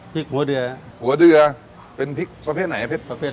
หัวเดือหัวเดือเป็นพริกประเภทไหนประเภท